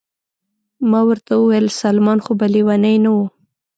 ما ورته وویل: سلمان خو به لیونی نه و؟